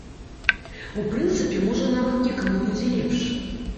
У прынцыпе, можа, нават некаму будзе лепш.